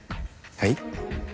はい？